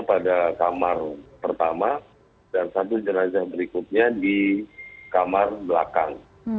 pada kamar pertama dan satu jenazah berikutnya di kamar belakang